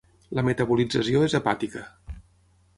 La metabolització és hepàtica.